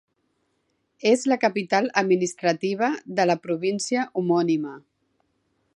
És la capital administrativa de la província homònima.